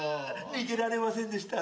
逃げられませんでした。